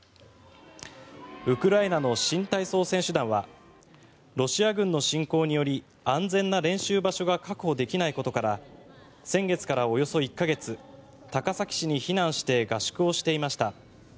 ウクライナの新体操選手団はロシア軍の侵攻により安全な練習場所が確保できないことから先月からおよそ１か月高崎市に避難して合宿をしていました。